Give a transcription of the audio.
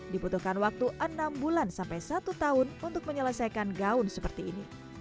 dibutuhkan waktu enam bulan sampai satu tahun untuk menyelesaikan gaun seperti ini